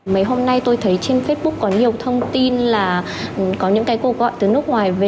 mấy hôm nay tôi thấy trên facebook có nhiều thông tin là có những cái cuộc gọi từ nước ngoài về